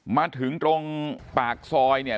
มาถึงตรงปากซอยเนี่ย